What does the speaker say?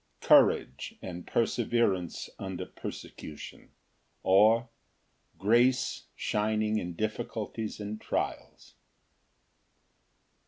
Courage and perseverance under persecution; or, Grace shining in difficulties and trials.